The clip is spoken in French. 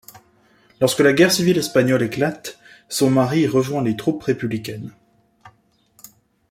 Lorsque la guerre civile espagnole éclate, son mari rejoint les troupes républicaines.